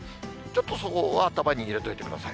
ちょっとそこは頭に入れておいてください。